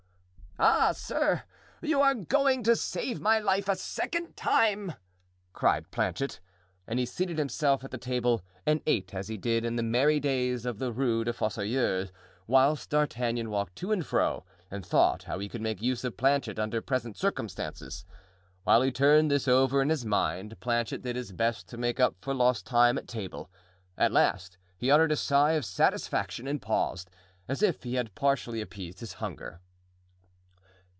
"Ah, sir, you are going to save my life a second time!" cried Planchet. And he seated himself at the table and ate as he did in the merry days of the Rue des Fossoyeurs, whilst D'Artagnan walked to and fro and thought how he could make use of Planchet under present circumstances. While he turned this over in his mind Planchet did his best to make up for lost time at table. At last he uttered a sigh of satisfaction and paused, as if he had partially appeased his hunger.